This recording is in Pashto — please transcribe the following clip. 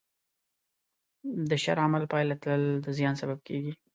د شر عمل پایله تل د زیان سبب کېږي.